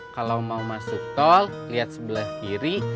kalau mau masuk tol lihat sebelah kiri